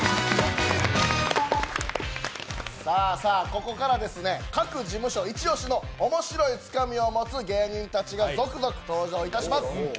ここから各事務所、一押しのおもしろいつかみを持つ芸人が続々登場します。